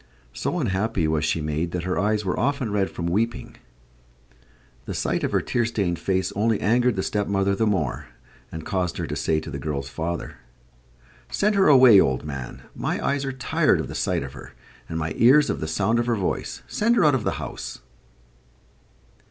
So unhappy was she made that her eyes were often red from weeping. The sight of her tear stained face only angered the stepmother the more, and caused her to say to the girl's father: "Send her away, old man. My eyes are tired of the sight of her, and my ears of the sound of her voice. Send her out of the house."